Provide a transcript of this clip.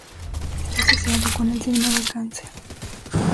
Está asociado con el signo de Cáncer.